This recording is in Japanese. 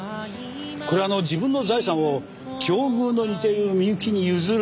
これ「自分の財産を境遇の似てるみゆきに譲る」